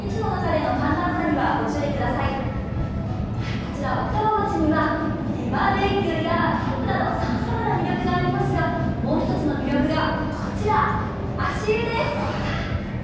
こちら奥多摩町にはバーベキューやキャンプなどさまざまな魅力がありますが、もう一つの魅力がこちら、足湯です